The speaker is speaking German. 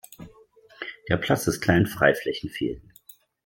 Der Platz ist klein, Freiflächen fehlen.